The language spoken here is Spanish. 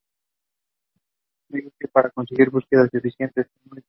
Es muy útil para conseguir búsquedas eficientes en repositorios de datos muy voluminosos.